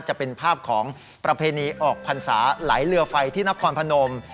จะเป็นภาพของประเพณีออกพันธ์ศาสตร์ไหลเรือไฟที่นับความพนม